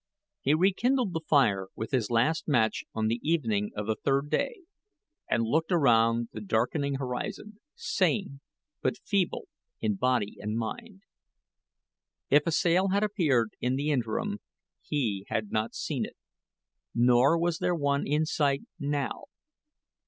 He rekindled the fire with his last match on the evening of the third day and looked around the darkening horizon, sane, but feeble in body and mind. If a sail had appeared in the interim, he had not seen it; nor was there one in sight now.